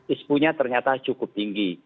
ispunya ternyata cukup tinggi